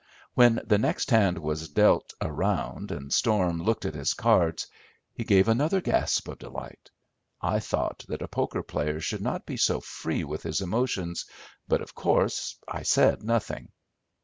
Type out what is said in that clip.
When the next hand was dealt around and Storm looked at his cards, he gave another gasp of delight. I thought that a poker player should not be so free with his emotions; but of course I said nothing.